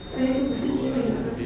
saya sukasi diri mereka akan